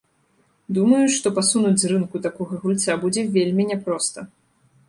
Думаю, што пасунуць з рынку такога гульца будзе вельмі няпроста.